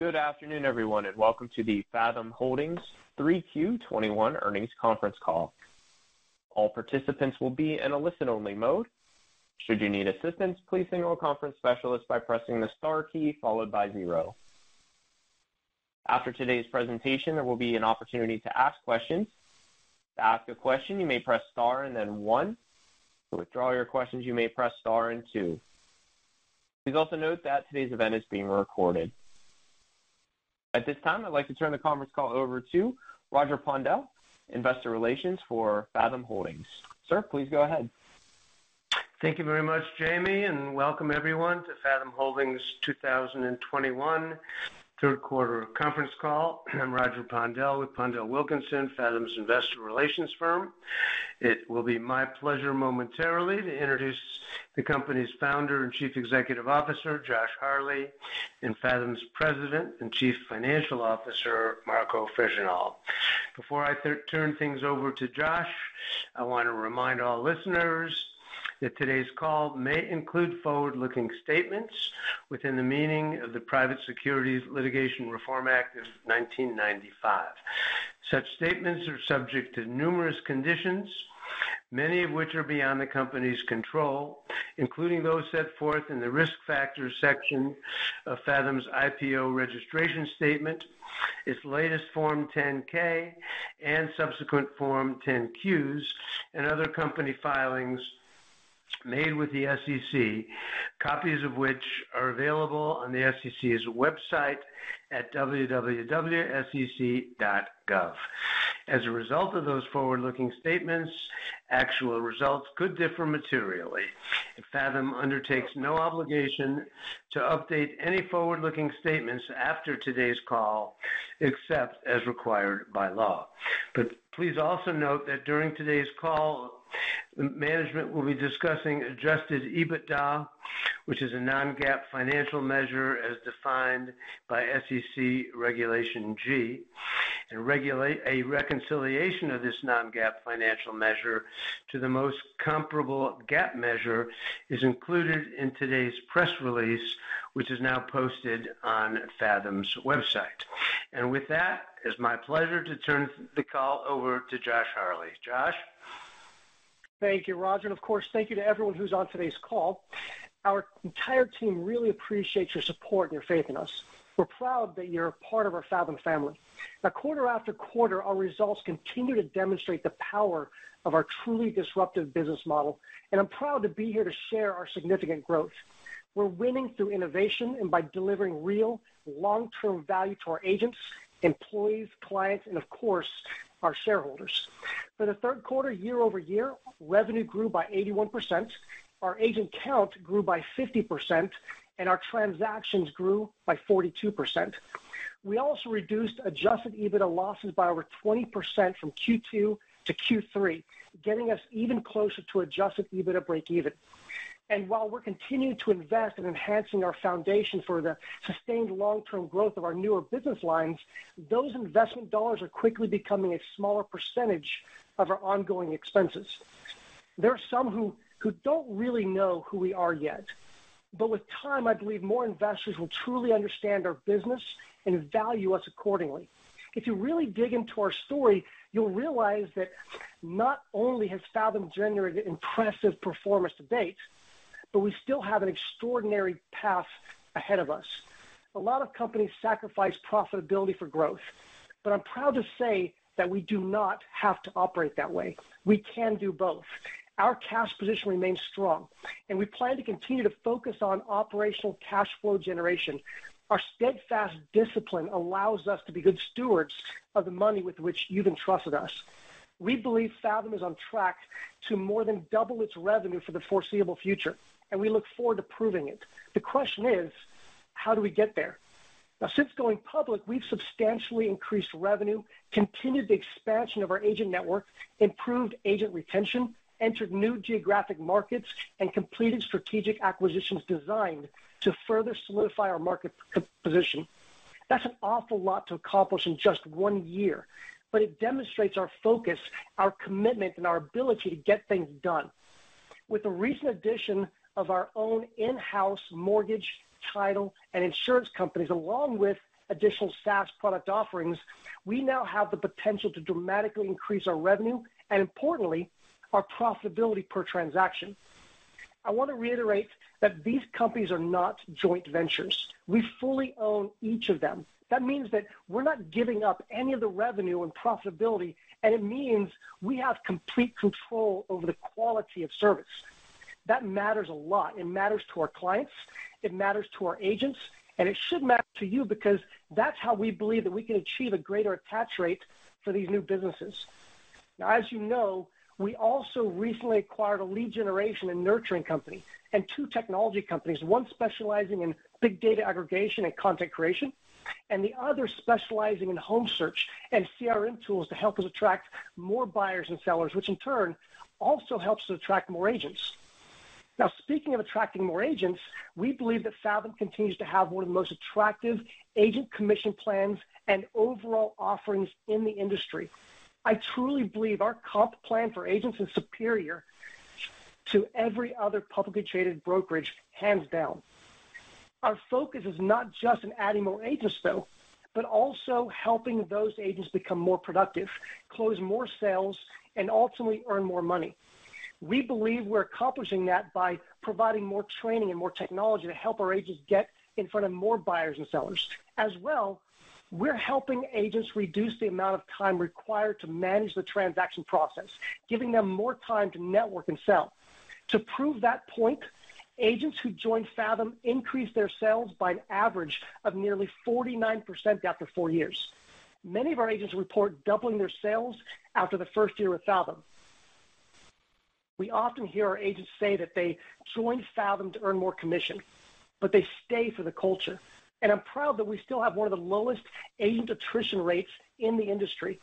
Good afternoon, everyone, and welcome to the Fathom Holdings 3Q 2021 earnings conference call. All participants will be in a listen-only mode. Should you need assistance, please signal a conference specialist by pressing the star key followed by zero. After today's presentation, there will be an opportunity to ask questions. To ask a question, you may press star and then one. To withdraw your questions, you may press star and two. Please also note that today's event is being recorded. At this time, I'd like to turn the conference call over to Roger Pondel, Investor Relations for Fathom Holdings. Sir, please go ahead. Thank you very much, Jamie, and welcome everyone to Fathom Holdings' 2021 third quarter conference call. I'm Roger Pondel with PondelWilkinson, Fathom's investor relations firm. It will be my pleasure momentarily to introduce the company's Founder and Chief Executive Officer, Josh Harley, and Fathom's President and Chief Financial Officer, Marco Fregenal. Before I turn things over to Josh, I want to remind all listeners that today's call may include forward-looking statements within the meaning of the Private Securities Litigation Reform Act of 1995. Such statements are subject to numerous conditions, many of which are beyond the company's control, including those set forth in the Risk Factors section of Fathom's IPO registration statement, its latest Form 10-K and subsequent Form 10-Qs, and other company filings made with the SEC, copies of which are available on the SEC's website at www.sec.gov. As a result of those forward-looking statements, actual results could differ materially. Fathom undertakes no obligation to update any forward-looking statements after today's call, except as required by law. Please also note that during today's call, management will be discussing Adjusted EBITDA, which is a non-GAAP financial measure as defined by SEC Regulation G. A reconciliation of this non-GAAP financial measure to the most comparable GAAP measure is included in today's press release, which is now posted on Fathom's website. With that, it's my pleasure to turn the call over to Josh Harley. Josh. Thank you, Roger. Of course, thank you to everyone who's on today's call. Our entire team really appreciates your support and your faith in us. We're proud that you're a part of our Fathom family. Now, quarter after quarter, our results continue to demonstrate the power of our truly disruptive business model, and I'm proud to be here to share our significant growth. We're winning through innovation and by delivering real long-term value to our agents, employees, clients, and of course, our shareholders. For the third quarter, year-over-year, revenue grew by 81%. Our agent count grew by 50%, and our transactions grew by 42%. We also reduced Adjusted EBITDA losses by over 20% from Q2 to Q3, getting us even closer to Adjusted EBITDA breakeven. While we're continuing to invest in enhancing our foundation for the sustained long-term growth of our newer business lines, those investment dollars are quickly becoming a smaller percentage of our ongoing expenses. There are some who don't really know who we are yet, but with time, I believe more investors will truly understand our business and value us accordingly. If you really dig into our story, you'll realize that not only has Fathom generated impressive performance to date, but we still have an extraordinary path ahead of us. A lot of companies sacrifice profitability for growth, but I'm proud to say that we do not have to operate that way. We can do both. Our cash position remains strong, and we plan to continue to focus on operational cash flow generation. Our steadfast discipline allows us to be good stewards of the money with which you've entrusted us. We believe Fathom is on track to more than double its revenue for the foreseeable future, and we look forward to proving it. The question is, how do we get there? Now, since going public, we've substantially increased revenue, continued the expansion of our agent network, improved agent retention, entered new geographic markets, and completed strategic acquisitions designed to further solidify our market position. That's an awful lot to accomplish in just one year, but it demonstrates our focus, our commitment, and our ability to get things done. With the recent addition of our own in-house mortgage, title, and insurance companies, along with additional SaaS product offerings, we now have the potential to dramatically increase our revenue and importantly, our profitability per transaction. I want to reiterate that these companies are not joint ventures. We fully own each of them. That means that we're not giving up any of the revenue and profitability, and it means we have complete control over the quality of service. That matters a lot. It matters to our clients, it matters to our agents, and it should matter to you because that's how we believe that we can achieve a greater attach rate for these new businesses. Now, as you know, we also recently acquired a lead generation and nurturing company and two technology companies, one specializing in big data aggregation and content creation, and the other specializing in home search and CRM tools to help us attract more buyers and sellers, which in turn also helps to attract more agents. Now, speaking of attracting more agents, we believe that Fathom continues to have one of the most attractive agent commission plans and overall offerings in the industry. I truly believe our comp plan for agents is superior to every other publicly traded brokerage, hands down. Our focus is not just in adding more agents, though, but also helping those agents become more productive, close more sales, and ultimately earn more money. We believe we're accomplishing that by providing more training and more technology to help our agents get in front of more buyers and sellers. As well, we're helping agents reduce the amount of time required to manage the transaction process, giving them more time to network and sell. To prove that point, agents who join Fathom increase their sales by an average of nearly 49% after four years. Many of our agents report doubling their sales after the first year with Fathom. We often hear our agents say that they joined Fathom to earn more commission, but they stay for the culture. I'm proud that we still have one of the lowest agent attrition rates in the industry.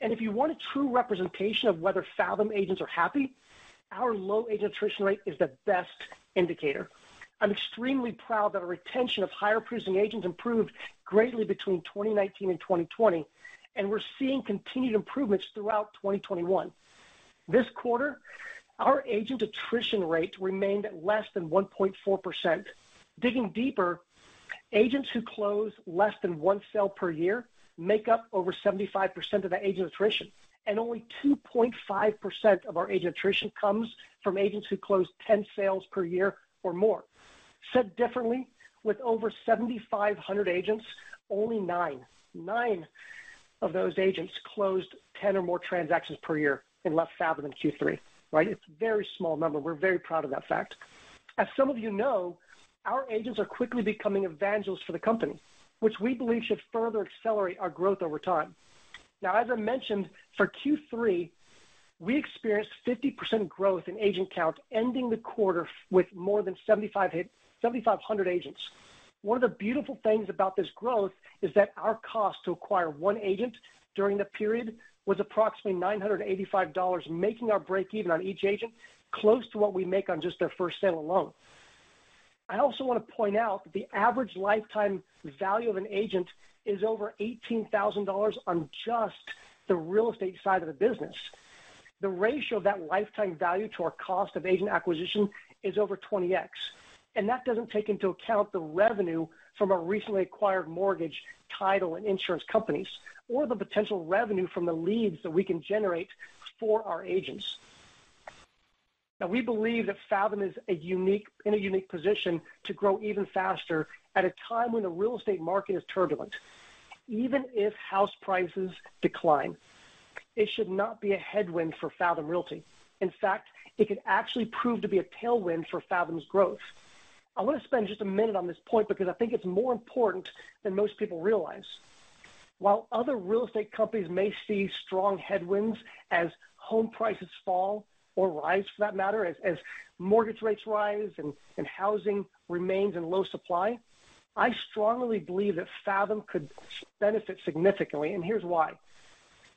If you want a true representation of whether Fathom agents are happy, our low agent attrition rate is the best indicator. I'm extremely proud that our retention of higher producing agents improved greatly between 2019 and 2020, and we're seeing continued improvements throughout 2021. This quarter, our agent attrition rate remained at less than 1.4%. Digging deeper, agents who close less than one sale per year make up over 75% of the agent attrition, and only 2.5% of our agent attrition comes from agents who close 10 sales per year or more. Said differently, with over 7,500 agents, only nine of those agents closed 10 or more transactions per year and left Fathom in Q3, right? It's a very small number. We're very proud of that fact. As some of you know, our agents are quickly becoming evangelists for the company, which we believe should further accelerate our growth over time. Now, as I mentioned, for Q3, we experienced 50% growth in agent count, ending the quarter with more than 7,500 agents. One of the beautiful things about this growth is that our cost to acquire one agent during the period was approximately $985, making our break even on each agent close to what we make on just their first sale alone. I also want to point out that the average lifetime value of an agent is over $18,000 on just the real estate side of the business. The ratio of that lifetime value to our cost of agent acquisition is over 20x, and that doesn't take into account the revenue from our recently acquired mortgage, title, and insurance companies or the potential revenue from the leads that we can generate for our agents. Now, we believe that Fathom is in a unique position to grow even faster at a time when the real estate market is turbulent. Even if house prices decline, it should not be a headwind for Fathom Realty. In fact, it could actually prove to be a tailwind for Fathom's growth. I want to spend just a minute on this point because I think it's more important than most people realize. While other real estate companies may see strong headwinds as home prices fall or rise for that matter, as mortgage rates rise and housing remains in low supply, I strongly believe that Fathom could benefit significantly, and here's why.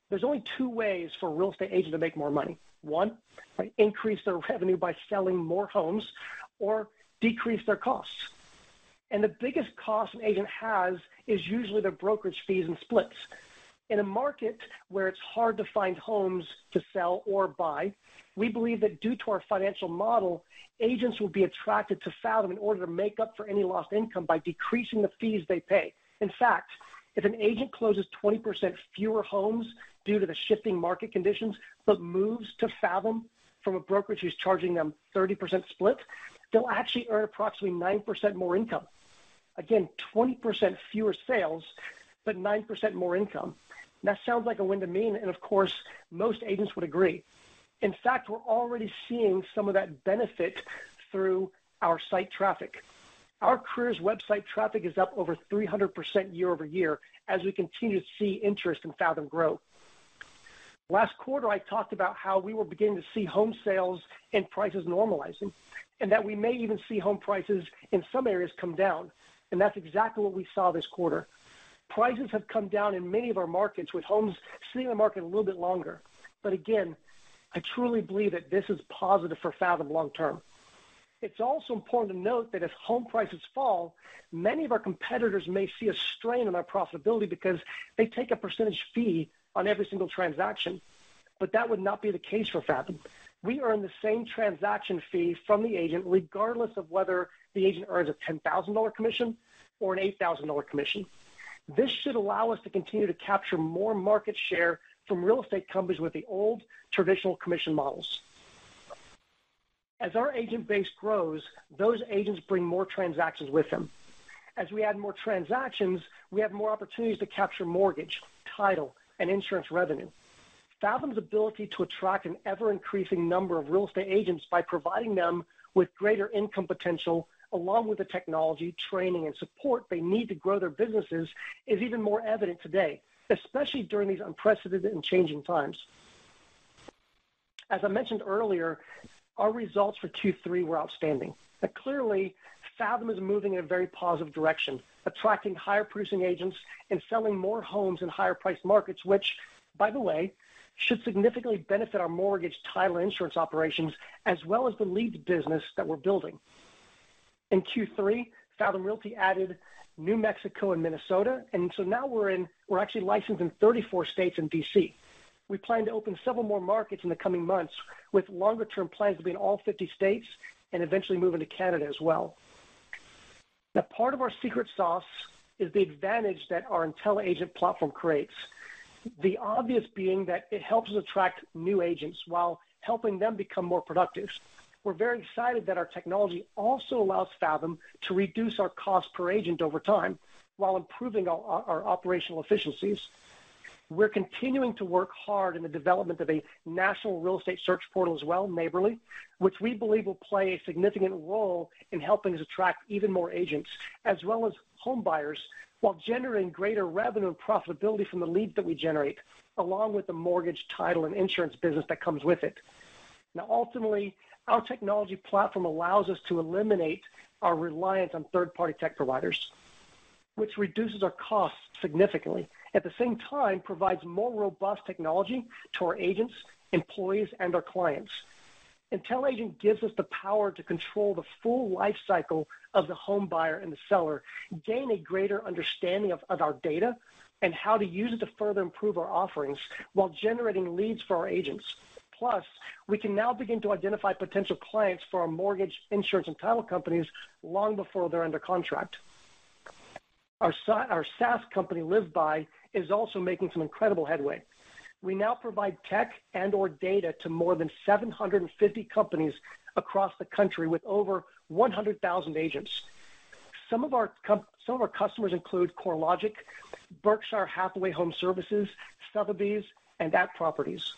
There's only two ways for a real estate agent to make more money. One, increase their revenue by selling more homes or decrease their costs. The biggest cost an agent has is usually their brokerage fees and splits. In a market where it's hard to find homes to sell or buy, we believe that due to our financial model, agents will be attracted to Fathom in order to make up for any lost income by decreasing the fees they pay. In fact, if an agent closes 20% fewer homes due to the shifting market conditions, but moves to Fathom from a brokerage who's charging them 30% split, they'll actually earn approximately 9% more income. Again, 20% fewer sales, but 9% more income. That sounds like a win to me, and of course, most agents would agree. In fact, we're already seeing some of that benefit through our site traffic. Our careers website traffic is up over 300% year-over-year as we continue to see interest in Fathom grow. Last quarter, I talked about how we were beginning to see home sales and prices normalizing, and that we may even see home prices in some areas come down, and that's exactly what we saw this quarter. Prices have come down in many of our markets, with homes sitting on the market a little bit longer. I truly believe that this is positive for Fathom long term. It's also important to note that if home prices fall, many of our competitors may see a strain on our profitability because they take a percentage fee on every single transaction. That would not be the case for Fathom. We earn the same transaction fee from the agent regardless of whether the agent earns a $10,000 commission or an $8,000 commission. This should allow us to continue to capture more market share from real estate companies with the old traditional commission models. As our agent base grows, those agents bring more transactions with them. As we add more transactions, we have more opportunities to capture mortgage, title, and insurance revenue. Fathom's ability to attract an ever-increasing number of real estate agents by providing them with greater income potential along with the technology, training, and support they need to grow their businesses is even more evident today, especially during these unprecedented and changing times. As I mentioned earlier, our results for Q3 were outstanding. Now clearly, Fathom is moving in a very positive direction, attracting higher producing agents and selling more homes in higher priced markets, which by the way, should significantly benefit our mortgage, title, and insurance operations, as well as the leads business that we're building. In Q3, Fathom Realty added New Mexico and Minnesota, and so now we're actually licensed in 34 states and D.C. We plan to open several more markets in the coming months, with longer-term plans to be in all 50 states and eventually move into Canada as well. Now, part of our secret sauce is the advantage that our intelliAgent platform creates. The obvious being that it helps us attract new agents while helping them become more productive. We're very excited that our technology also allows Fathom to reduce our cost per agent over time while improving our operational efficiencies. We're continuing to work hard in the development of a national real estate search portal as well, Naberly, which we believe will play a significant role in helping us attract even more agents as well as home buyers while generating greater revenue and profitability from the leads that we generate, along with the mortgage, title, and insurance business that comes with it. Now, ultimately, our technology platform allows us to eliminate our reliance on third-party tech providers, which reduces our costs significantly. At the same time, provides more robust technology to our agents, employees, and our clients. intelliAgent gives us the power to control the full life cycle of the home buyer and the seller, gain a greater understanding of our data and how to use it to further improve our offerings while generating leads for our agents. Plus, we can now begin to identify potential clients for our mortgage, insurance, and title companies long before they're under contract. Our SaaS company, LiveBy, is also making some incredible headway. We now provide tech and/or data to more than 750 companies across the country with over 100,000 agents. Some of our customers include CoreLogic, Berkshire Hathaway HomeServices, Sotheby's, and @properties.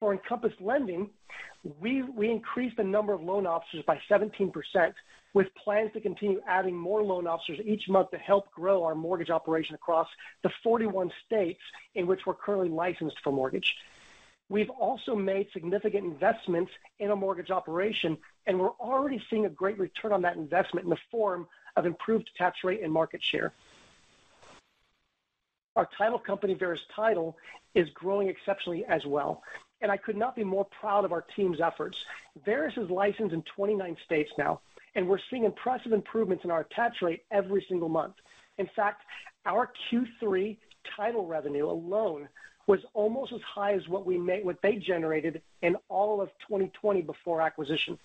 For Encompass Lending, we increased the number of loan officers by 17%, with plans to continue adding more loan officers each month to help grow our mortgage operation across the 41 states in which we're currently licensed for mortgage. We've also made significant investments in our mortgage operation, and we're already seeing a great return on that investment in the form of improved attach rate and market share. Our title company, Verus Title, is growing exceptionally as well, and I could not be more proud of our team's efforts. Verus is licensed in 29 states now, and we're seeing impressive improvements in our attach rate every single month. In fact, our Q3 title revenue alone was almost as high as what they generated in all of 2020 before acquisition.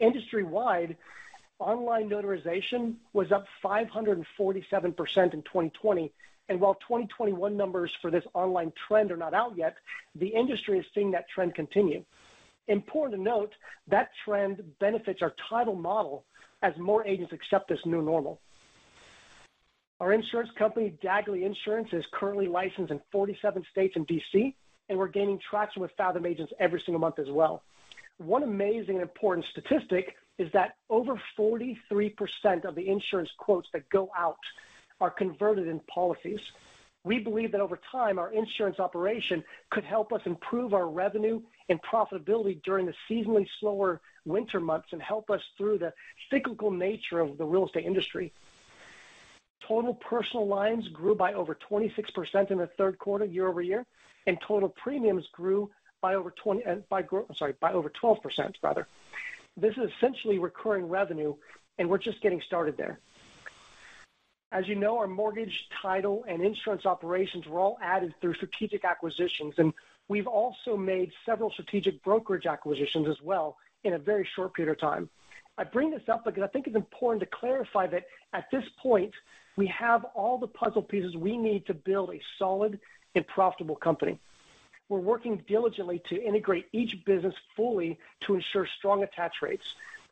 Industry-wide, online notarization was up 547% in 2020, and while 2021 numbers for this online trend are not out yet, the industry is seeing that trend continue. Important to note, that trend benefits our title model as more agents accept this new normal. Our insurance company, Dagley Insurance, is currently licensed in 47 states and D.C., and we're gaining traction with Fathom agents every single month as well. One amazing and important statistic is that over 43% of the insurance quotes that go out are converted in policies. We believe that over time, our insurance operation could help us improve our revenue and profitability during the seasonally slower winter months and help us through the cyclical nature of the real estate industry. Total personal lines grew by over 26% in the third quarter year-over-year, and total premiums grew, I'm sorry, by over 12%, rather. This is essentially recurring revenue, and we're just getting started there. As you know, our mortgage, title, and insurance operations were all added through strategic acquisitions, and we've also made several strategic brokerage acquisitions as well in a very short period of time. I bring this up because I think it's important to clarify that at this point, we have all the puzzle pieces we need to build a solid and profitable company. We're working diligently to integrate each business fully to ensure strong attach rates.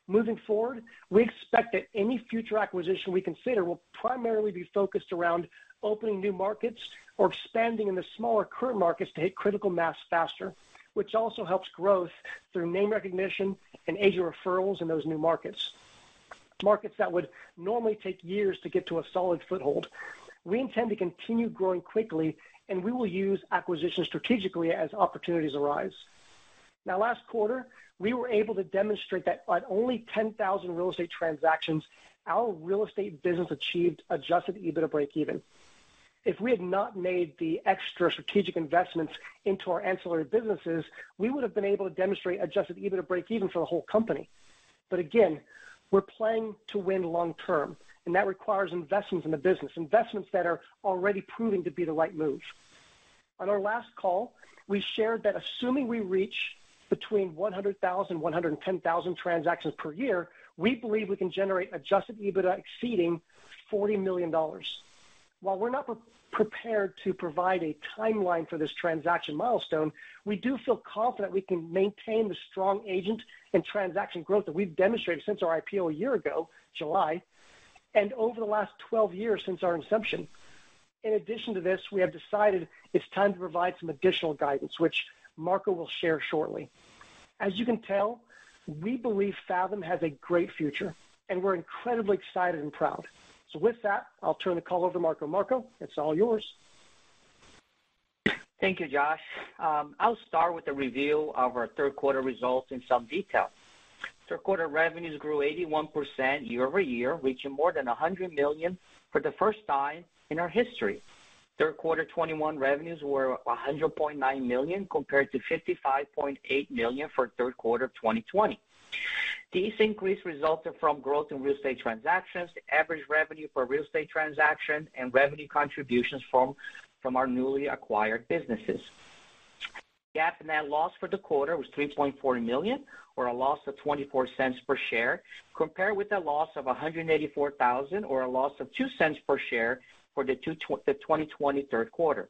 Moving forward, we expect that any future acquisition we consider will primarily be focused around opening new markets or expanding in the smaller current markets to hit critical mass faster, which also helps growth through name recognition and agent referrals in those new markets that would normally take years to get to a solid foothold. We intend to continue growing quickly, and we will use acquisitions strategically as opportunities arise. Now, last quarter, we were able to demonstrate that at only 10,000 real estate transactions, our real estate business achieved adjusted EBITDA breakeven. If we had not made the extra strategic investments into our ancillary businesses, we would have been able to demonstrate adjusted EBITDA breakeven for the whole company. Again, we're playing to win long-term, and that requires investments in the business, investments that are already proving to be the right move. On our last call, we shared that assuming we reach between 100,000 and 110,000 transactions per year, we believe we can generate adjusted EBITDA exceeding $40 million. While we're not prepared to provide a timeline for this transaction milestone, we do feel confident we can maintain the strong agent and transaction growth that we've demonstrated since our IPO a year ago, July, and over the last 12 years since our inception. In addition to this, we have decided it's time to provide some additional guidance which Marco will share shortly. As you can tell, we believe Fathom has a great future, and we're incredibly excited and proud. With that, I'll turn the call over to Marco. Marco, it's all yours. Thank you, Josh. I'll start with a review of our third quarter results in some detail. Third quarter revenues grew 81% year-over-year, reaching more than $100 million for the first time in our history. Third quarter 2021 revenues were $100.9 million compared to $55.8 million for third quarter of 2020. This increase resulted from growth in real estate transactions, average revenue per real estate transaction, and revenue contributions from our newly acquired businesses. GAAP net loss for the quarter was $3.4 million, or a loss of $0.24 per share, compared with a loss of $184,000 or a loss of $0.02 per share for the 2020 third quarter.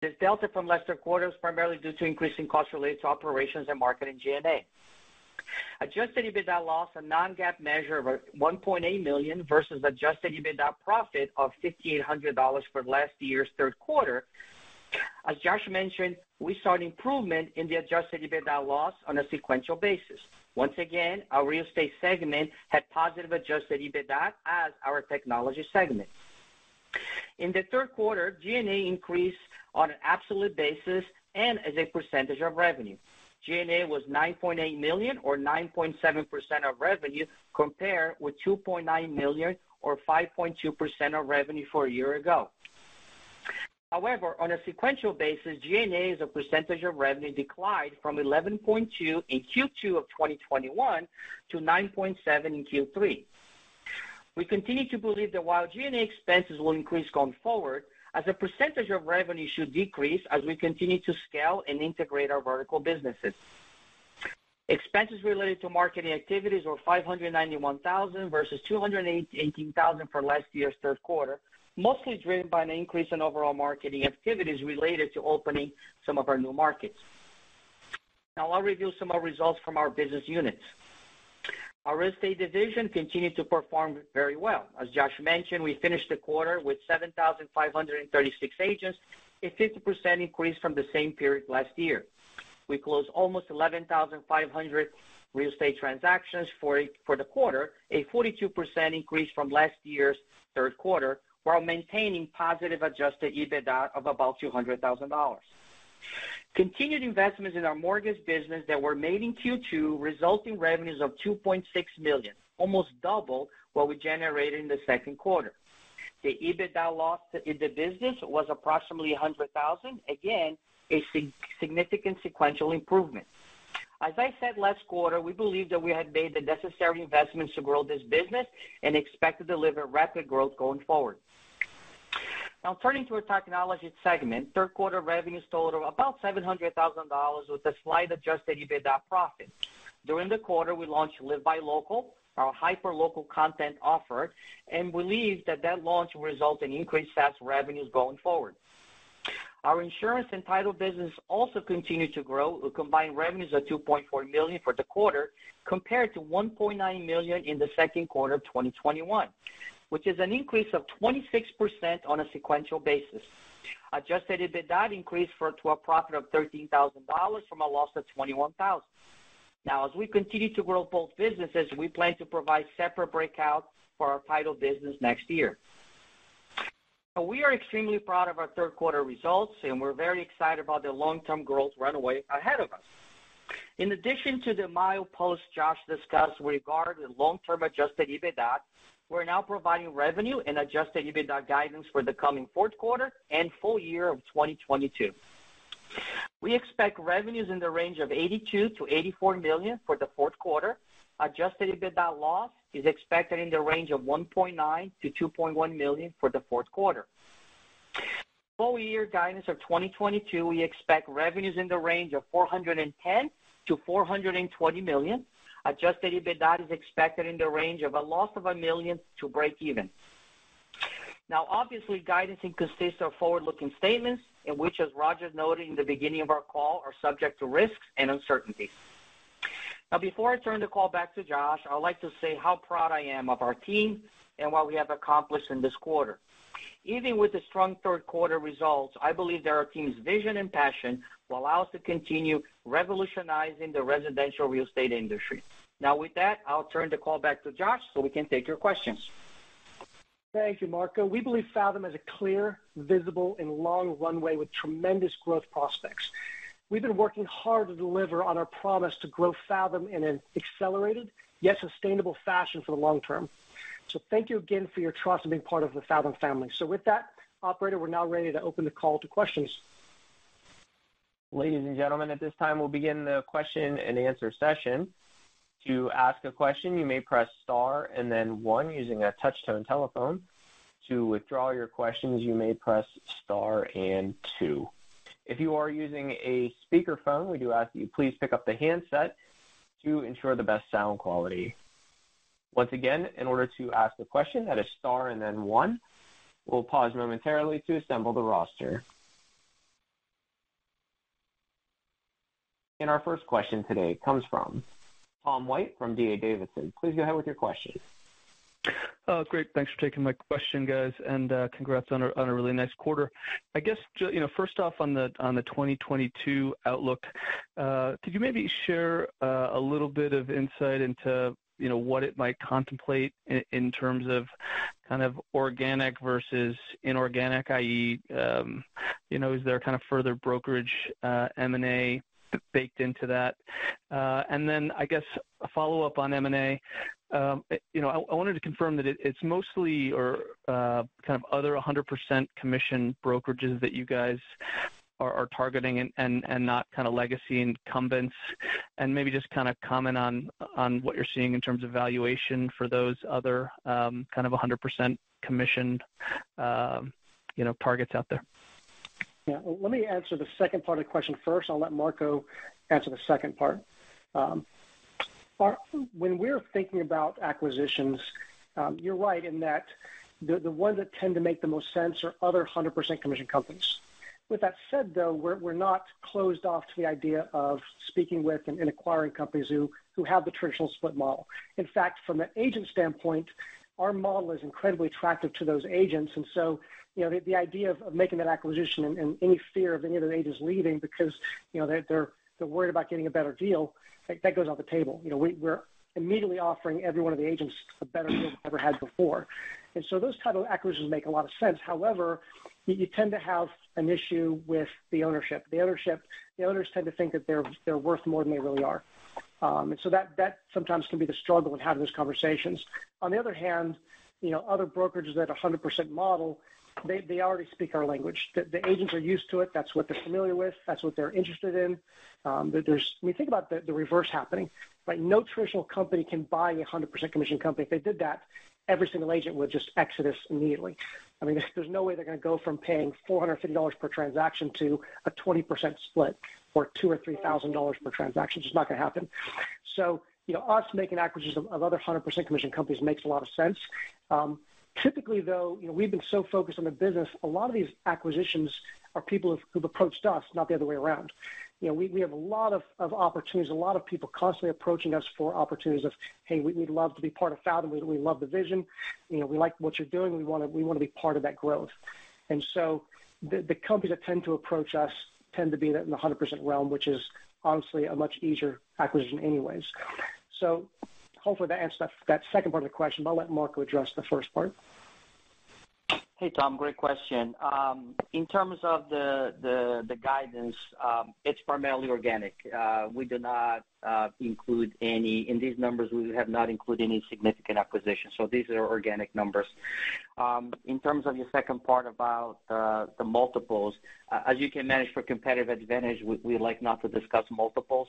This delta from last year's third quarter was due primarily to increases in costs related to operations, marketing, and G&A. The GAAP net loss for the third quarter was $3.4 million, or a loss of $0.24 per share, compared with a loss of $184,000 or a loss of $0.02 per share for the 2020 third quarter. This delta from last year's quarter was primarily due to an increase in costs related to operations and marketing G&A. Adjusted EBITDA loss, a non-GAAP measure, was $1.8 million versus Adjusted EBITDA profit of $5,800 for last year's third quarter. As Josh mentioned, we saw an improvement in the Adjusted EBITDA loss on a sequential basis. Once again, our Real Estate segment had positive Adjusted EBITDA as did our Technology segment. In the third quarter, G&A increased on an absolute basis and as a percentage of revenue. G&A was $9.8 million or 9.7% of revenue, compared with $2.9 million or 5.2% of revenue for a year ago. However, on a sequential basis, G&A as a percentage of revenue declined from 11.2% in Q2 of 2021 to 9.7% in Q3. We continue to believe that while G&A expenses will increase going forward, as a percentage of revenue should decrease as we continue to scale and integrate our vertical businesses. Expenses related to marketing activities were $591,000 versus $218,000 for last year's third quarter, mostly driven by an increase in overall marketing activities related to opening some of our new markets. Now I'll review some results from our business units. Our real estate division continued to perform very well. As Josh mentioned, we finished the quarter with 7,536 agents, a 50% increase from the same period last year. We closed almost 11,500 real estate transactions for the quarter, a 42% increase from last year's third quarter, while maintaining positive Adjusted EBITDA of about $200,000. Continued investments in our mortgage business that were made in Q2, resulting in revenues of $2.6 million, almost double what we generated in the second quarter. The EBITDA loss in the business was approximately $100,000. Again, a significant sequential improvement. As I said last quarter, we believe that we had made the necessary investments to grow this business and expect to deliver rapid growth going forward. Now turning to our technology segment. Third quarter revenues totaled about $700,000, with a slight Adjusted EBITDA profit. During the quarter, we launched LiveBy Local, our hyperlocal content offer, and believe that that launch will result in increased SaaS revenues going forward. Our insurance and title business also continued to grow, with combined revenues of $2.4 million for the quarter, compared to $1.9 million in the second quarter of 2021, which is an increase of 26% on a sequential basis. Adjusted EBITDA increased to a profit of $13,000 from a loss of $21,000. Now as we continue to grow both businesses, we plan to provide separate breakouts for our title business next year. We are extremely proud of our third quarter results, and we're very excited about the long-term growth runway ahead of us. In addition to the milepost Josh discussed regarding the long-term Adjusted EBITDA, we're now providing revenue and Adjusted EBITDA guidance for the coming fourth quarter and full year of 2022. We expect revenues in the range of $82 million-$84 million for the fourth quarter. Adjusted EBITDA loss is expected in the range of $1.9 million-$2.1 million for the fourth quarter. Full year guidance of 2022, we expect revenues in the range of $410 million-$420 million. Adjusted EBITDA is expected in the range of a loss of $1 million to breakeven. Now obviously, guidance consists of forward-looking statements, which, as Roger noted in the beginning of our call, are subject to risks and uncertainties. Now, before I turn the call back to Josh, I would like to say how proud I am of our team and what we have accomplished in this quarter. Even with the strong third quarter results, I believe that our team's vision and passion will allow us to continue revolutionizing the residential real estate industry. Now with that, I'll turn the call back to Josh so we can take your questions. Thank you, Marco. We believe Fathom has a clear, visible and long runway with tremendous growth prospects. We've been working hard to deliver on our promise to grow Fathom in an accelerated yet sustainable fashion for the long term. Thank you again for your trust in being part of the Fathom family. With that, operator, we're now ready to open the call to questions. Ladies and gentlemen, at this time we'll begin the question and answer session. To ask a question, you may press star and then one using a touch-tone telephone. To withdraw your questions, you may press star and two. If you are using a speakerphone, we do ask that you please pick up the handset to ensure the best sound quality. Once again, in order to ask the question, that is star and then one. We'll pause momentarily to assemble the roster. Our first question today comes from Tom White from D.A. Davidson. Please go ahead with your question. Oh, great. Thanks for taking my question, guys, and congrats on a really nice quarter. I guess you know, first off on the 2022 outlook, could you maybe share a little bit of insight into, you know, what it might contemplate in terms of kind of organic versus inorganic, i.e., you know, is there kind of further brokerage M&A baked into that? I guess a follow-up on M&A. You know, I wanted to confirm that it's mostly or kind of other 100% commission brokerages that you guys are targeting and not kinda legacy incumbents. Maybe just kinda comment on what you're seeing in terms of valuation for those other kind of a 100% commission, you know, targets out there. Yeah. Let me answer the second part of the question first, and I'll let Marco answer the second part. When we're thinking about acquisitions, you're right in that the ones that tend to make the most sense are other 100% commission companies. With that said, though, we're not closed off to the idea of speaking with and acquiring companies who have the traditional split model. In fact, from an agent standpoint, our model is incredibly attractive to those agents. You know, the idea of making that acquisition and any fear of any of the agents leaving because, you know, they're worried about getting a better deal, that goes off the table. You know, we're immediately offering every one of the agents a better deal than they've ever had before. Those type of acquisitions make a lot of sense. However, you tend to have an issue with the ownership. The owners tend to think that they're worth more than they really are. That sometimes can be the struggle in having those conversations. On the other hand, you know, other brokerages that are 100% model, they already speak our language. The agents are used to it. That's what they're familiar with. That's what they're interested in. When you think about the reverse happening, right? No traditional company can buy a 100% commission company. If they did that, every single agent would just exodus immediately. I mean, there's no way they're gonna go from paying $450 per transaction to a 20% split or $2,000 or $3,000 per transaction. It's just not gonna happen. You know, us making acquisitions of other 100% commission companies makes a lot of sense. Typically, though, you know, we've been so focused on the business, a lot of these acquisitions are people who've approached us, not the other way around. You know, we have a lot of opportunities, a lot of people constantly approaching us for opportunities of, "Hey, we'd love to be part of Fathom. We love the vision. You know, we like what you're doing. We wanna be part of that growth." The companies that tend to approach us tend to be in the 100% realm, which is honestly a much easier acquisition anyways. Hopefully that answers that second part of the question, but I'll let Marco address the first part. Hey, Tom. Great question. In terms of the guidance, it's primarily organic. In these numbers, we have not included any significant acquisitions, so these are organic numbers. In terms of your second part about the multiples, as you can imagine for competitive advantage, we like not to discuss multiples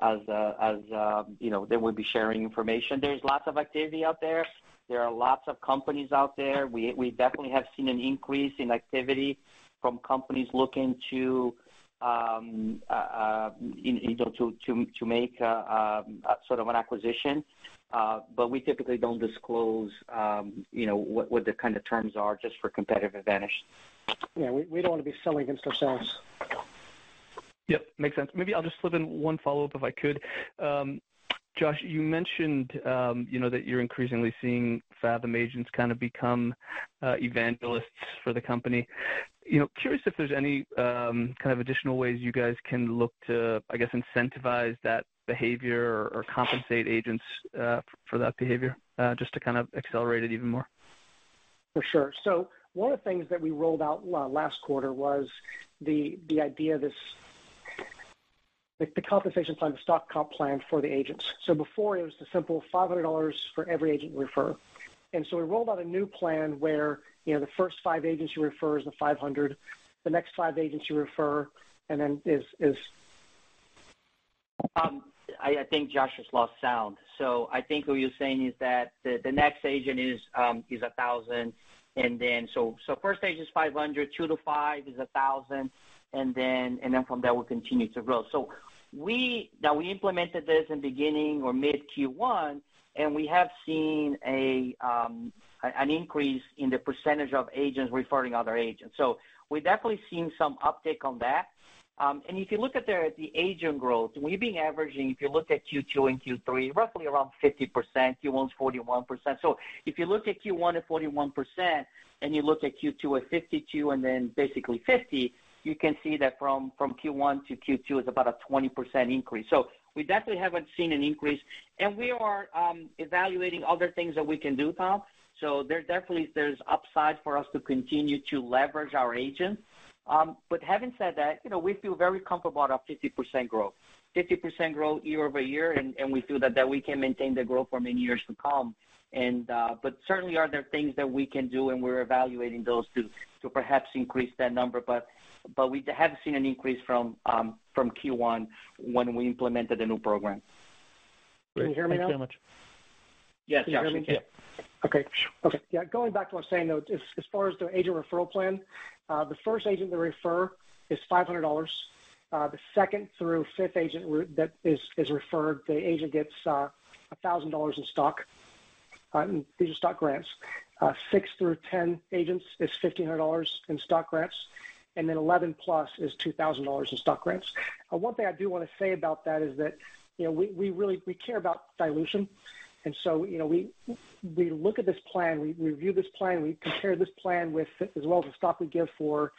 as you know, they would be sharing information. There's lots of activity out there. There are lots of companies out there. We definitely have seen an increase in activity from companies looking to you know, to make sort of an acquisition. We typically don't disclose you know, what the kind of terms are just for competitive advantage. Yeah, we don't wanna be selling against ourselves. Yep. Makes sense. Maybe I'll just slip in one follow-up, if I could. Josh, you mentioned, you know, that you're increasingly seeing Fathom agents kind of become evangelists for the company. You know, curious if there's any kind of additional ways you guys can look to, I guess, incentivize that behavior or compensate agents for that behavior, just to kind of accelerate it even more. For sure. One of the things that we rolled out last quarter was the compensation plan, the stock comp plan for the agents. Before it was the simple $500 for every agent you refer. We rolled out a new plan where, you know, the first five agents you refer is the $500, the next 5 agents you refer and then it is. I think Josh has lost sound. I think what you're saying is that the next agent is a $1,000. First agent is $500, two to five is a $1,000, and then from there we'll continue to grow. We implemented this in beginning or mid Q1, and we have seen an increase in the percentage of agents referring other agents. We've definitely seen some uptick on that. If you look at the agent growth, we've been averaging, if you look at Q2 and Q3, roughly around 50%, Q1 is 41%. If you look at Q1 at 41%, and you look at Q2 at 52% and then basically 50%, you can see that from Q1 to Q2 is about a 20% increase. We definitely haven't seen an increase. We are evaluating other things that we can do, Tom. There definitely is upside for us to continue to leverage our agents. But having said that, you know, we feel very comfortable about our 50% growth. 50% growth year-over-year, and we feel that we can maintain the growth for many years to come. But certainly there are things that we can do, and we're evaluating those to perhaps increase that number. But we have seen an increase from Q1 when we implemented the new program. Great. Can you hear me now? Thanks so much. Yes. Can you hear me? Yeah. Okay. Yeah, going back to what I was saying, though, as far as the agent referral plan, the first agent to refer is $500. The second through fifth agent that is referred, the agent gets $1,000 in stock. These are stock grants. Six through 10 agents is $1,500 in stock grants. Eleven plus is $2,000 in stock grants. One thing I do wanna say about that is that, you know, we really care about dilution. You know, we look at this plan, we review this plan, we compare this plan with as well as the stock we give for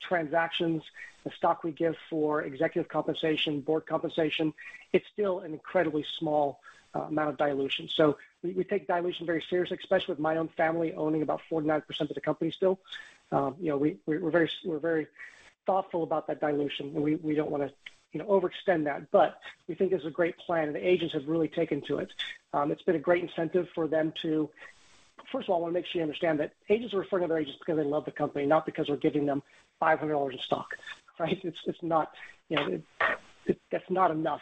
transactions, the stock we give for executive compensation, board compensation. It's still an incredibly small amount of dilution. We take dilution very seriously, especially with my own family owning about 49% of the company still. You know, we're very thoughtful about that dilution. We don't wanna overextend that, but we think this is a great plan, and the agents have really taken to it. It's been a great incentive for them. First of all, I wanna make sure you understand that agents are referring to their agents because they love the company, not because we're giving them $500 in stock, right? It's not, you know, that's not enough.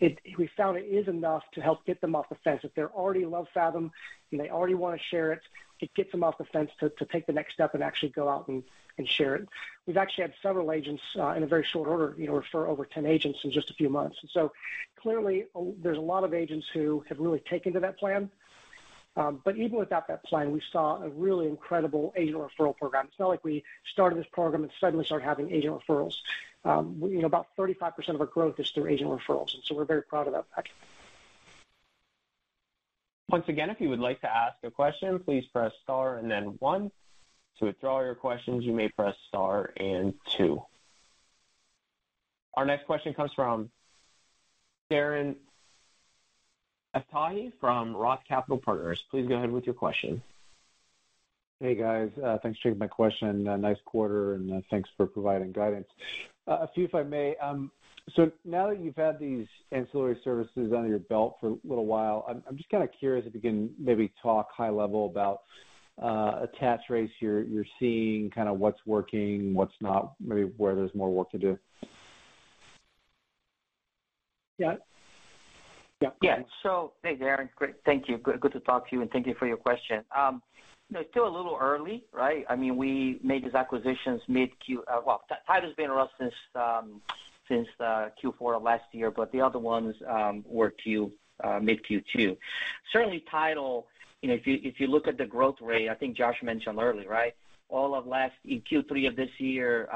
We found it is enough to help get them off the fence. If they already love Fathom, and they already wanna share it gets them off the fence to take the next step and actually go out and share it. We've actually had several agents, in a very short order, you know, refer over 10 agents in just a few months. Clearly, there's a lot of agents who have really taken to that plan. But even without that plan, we saw a really incredible agent referral program. It's not like we started this program and suddenly started having agent referrals. You know, about 35% of our growth is through agent referrals, and so we're very proud of that fact. Once again, if you would like to ask a question, please press star and then one. To withdraw your questions, you may press star and two. Our next question comes from Darren Aftahi from ROTH Capital Partners. Please go ahead with your question. Hey, guys. Thanks for taking my question. Nice quarter, and thanks for providing guidance. A few, if I may. So now that you've had these ancillary services under your belt for a little while, I'm just kinda curious if you can maybe talk high level about attach rates you're seeing, kinda what's working, what's not, maybe where there's more work to do. Yeah. Yeah. Yeah. Hey, Darren. Great. Thank you. Good to talk to you, and thank you for your question. You know, still a little early, right? I mean, we made these acquisitions mid Q. Well, Title's been around since Q4 of last year, but the other ones were mid Q2. Certainly Title. You know, if you look at the growth rate, I think Josh mentioned earlier, right? In Q3 of this year,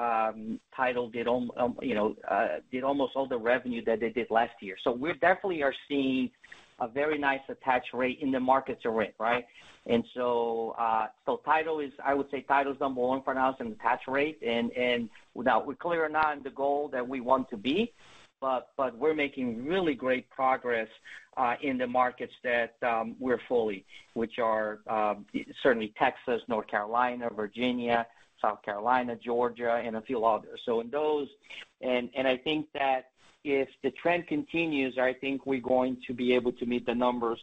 Title did, you know, almost all the revenue that they did last year. We definitely are seeing a very nice attach rate in the markets we're in, right? I would say Title is number one for now as an attach rate. Now we're clear now on the goal that we want to be, but we're making really great progress in the markets that we're fully, which are certainly Texas, North Carolina, Virginia, South Carolina, Georgia, and a few others. I think that if the trend continues, I think we're going to be able to meet the numbers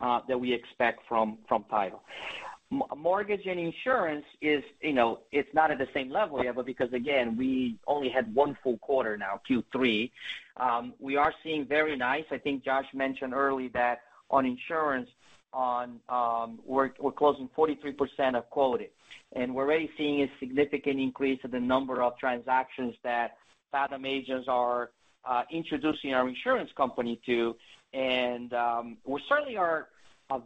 that we expect from Title. Mortgage and insurance is, you know, it's not at the same level yet, but because again, we only had one full quarter now, Q3. We are seeing very nice. I think Josh mentioned earlier that on insurance, we're closing 43% of qualified, and we're already seeing a significant increase in the number of transactions that Fathom agents are introducing our insurance company to. We certainly are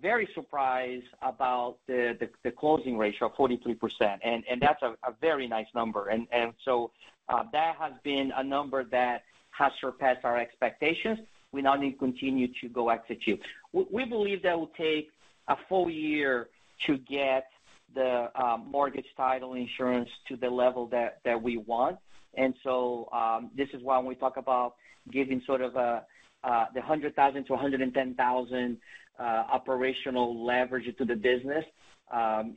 very surprised about the closing ratio of 43%. That's a very nice number. That has been a number that has surpassed our expectations. We now need to continue to go execute. We believe that will take a full year to get the mortgage title insurance to the level that we want. This is why when we talk about giving sort of the $100,000-$110,000 operational leverage to the business,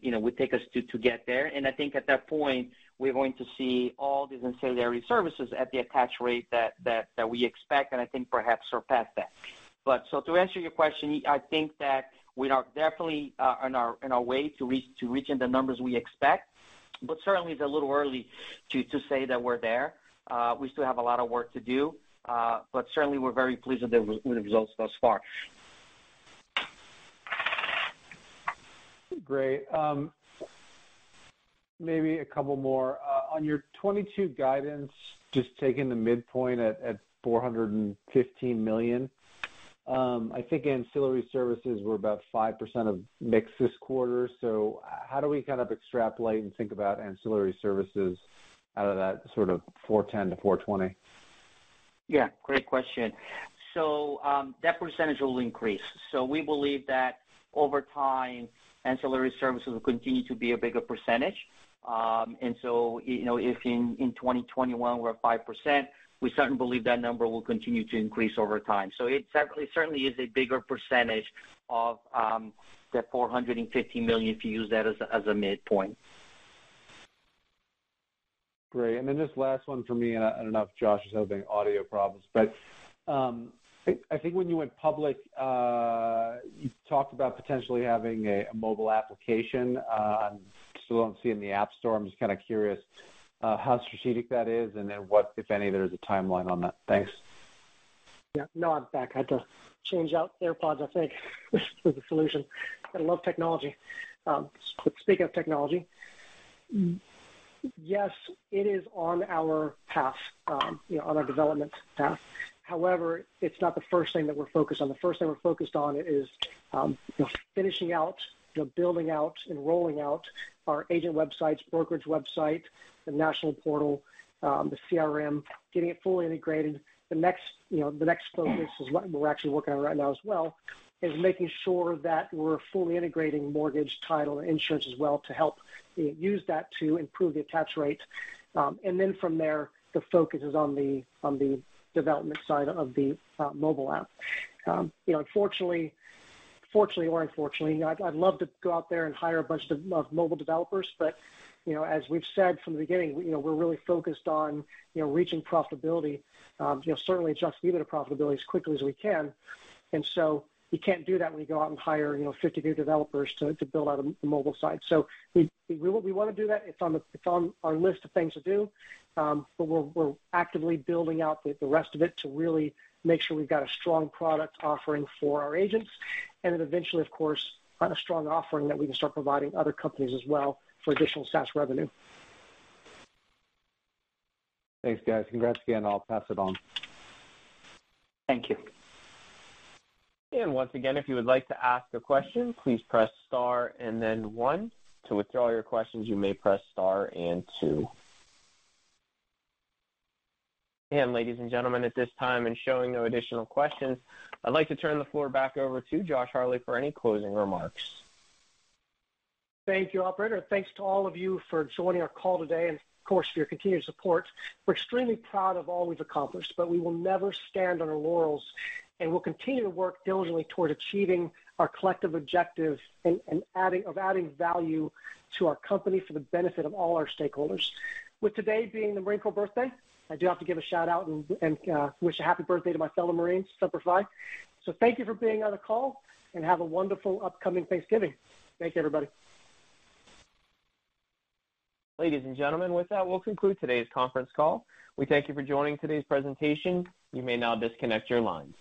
you know, would take us to get there. I think at that point, we're going to see all these ancillary services at the attach rate that we expect, and I think perhaps surpass that. To answer your question, I think that we are definitely on our way to reaching the numbers we expect, but certainly it's a little early to say that we're there. We still have a lot of work to do, but certainly we're very pleased with the results thus far. Great. Maybe a couple more. On your 2022 guidance, just taking the midpoint at $415 million, I think ancillary services were about 5% of mix this quarter. How do we kind of extrapolate and think about ancillary services out of that sort of $410 million-$420 million? Yeah, great question. That percentage will increase. We believe that over time, ancillary services will continue to be a bigger percentage. You know, if in 2021, we're at 5%, we certainly believe that number will continue to increase over time. It certainly is a bigger percentage of the $450 million, if you use that as a midpoint. Great. Then this last one for me, and I don't know if Josh is having audio problems, but I think when you went public, you talked about potentially having a mobile application. I still don't see it in the App Store. I'm just kinda curious how strategic that is, and then what, if any, there's a timeline on that. Thanks. Yeah. No, I'm back. I had to change out AirPods. I think it was the solution. Gotta love technology. Speaking of technology, yes, it is on our path, you know, on our development path. However, it's not the first thing that we're focused on. The first thing we're focused on is, you know, finishing out, you know, building out and rolling out our agent websites, brokerage website, the national portal, the CRM, getting it fully integrated. The next focus is what we're actually working on right now as well, is making sure that we're fully integrating mortgage, title, and insurance as well to help use that to improve the attach rate. Then from there, the focus is on the development side of the mobile app. You know, unfortunately, fortunately or unfortunately, you know, I'd love to go out there and hire a bunch of mobile developers. You know, as we've said from the beginning, you know, we're really focused on, you know, reaching profitability, you know, certainly Adjusted EBITDA profitability as quickly as we can. We can't do that when we go out and hire, you know, 50 new developers to build out a mobile site. We want to do that. It's on our list of things to do. We're actively building out the rest of it to really make sure we've got a strong product offering for our agents. Then eventually, of course, once a strong offering that we can start providing other companies as well for additional SaaS revenue. Thanks, guys. Congrats again, and I'll pass it on. Thank you. Once again, if you would like to ask a question, please press star and then one. To withdraw your questions, you may press star and two. Ladies and gentlemen, at this time it's showing no additional questions. I'd like to turn the floor back over to Josh Harley for any closing remarks. Thank you, operator. Thanks to all of you for joining our call today and of course, for your continued support. We're extremely proud of all we've accomplished, but we will never stand on our laurels, and we'll continue to work diligently toward achieving our collective objective and adding value to our company for the benefit of all our stakeholders. With today being the Marine Corps birthday, I do have to give a shout out and wish a happy birthday to my fellow Marines, Semper Fi. Thank you for being on the call and have a wonderful upcoming Thanksgiving. Thank you, everybody. Ladies and gentlemen, with that, we'll conclude today's conference call. We thank you for joining today's presentation. You may now disconnect your lines.